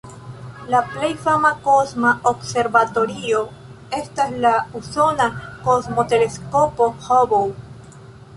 La plej fama kosma observatorio estas la usona Kosmoteleskopo Hubble.